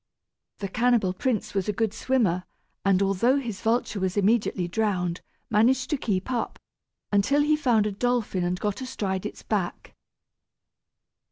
The cannibal prince was a good swimmer, and although his vulture was immediately drowned, managed to keep up, until he found a dolphin and got astride its back.